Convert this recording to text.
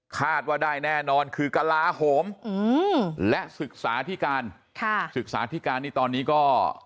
คาดว่าได้แน่นอนคือกลาโหมและศึกษาที่การศึกษาที่การนี้ตอนนี้ก็